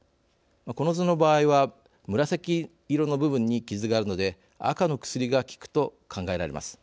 この図の場合は紫色の部分に傷があるので赤の薬が効くと考えられます。